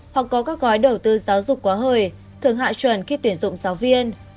hoặc có các gói đầu tư giáo dục quá hời thường hạ chuẩn khi tuyển dụng giáo viên